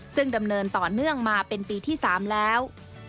ซึ่งดำเนินต่อเนื่องมาเป็นปีที่๓แล้ว